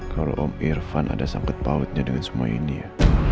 kalau om irfan ada sangkut pautnya dengan semua ini ya